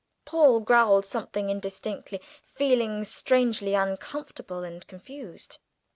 Paul growled something indistinctly, feeling strangely uncomfortable and confused.